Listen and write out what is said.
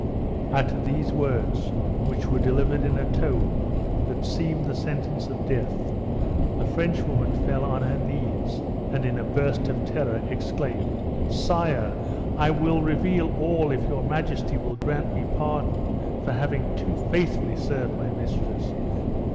At these words, which were delivered in a tone that seemed the sentence of death, the French woman fell on her knees, and in a burst of terror exclaimed, "Sire, I will reveal all if your majesty will grant me pardon for having too faithfully served my mistress!"